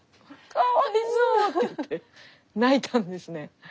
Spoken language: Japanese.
かわいそうって言って泣いたんですね。